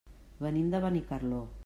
Venim de Benicarló.